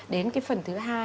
đến cái phần thứ hai